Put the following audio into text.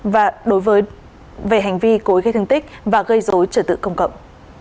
về hành vi cối gây thương tích và gây dối trở tự công cộng